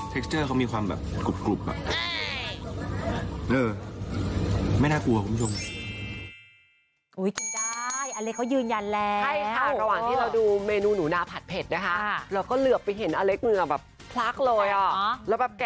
เทคเจอร์เขามีความแบบกรุบอ่ะ